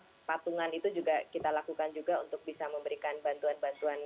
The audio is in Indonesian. untuk patungan itu kita lakukan juga untuk bisa memberikan bantuan bantuan